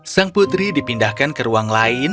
sang putri dipindahkan ke ruang lain